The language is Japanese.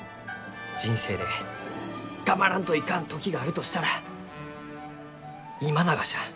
人生で頑張らんといかん時があるとしたら今ながじゃ。